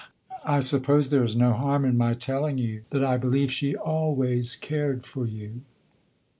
"I suppose there is no harm in my telling you that I believe she always cared for you."